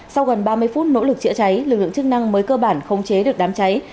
sau gần ba mươi phút nỗ lực chữa cháy lực lượng chức năng mới cơ bản khống chế được đám cháy